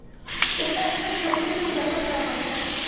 ওটা একটা স্টোররুমের জন্য ব্যবহার করা হয়, ম্যাডাম।